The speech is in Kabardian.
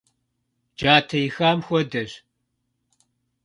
Джатэ ихам хуэдэщ.